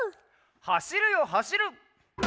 「はしるよはしる」！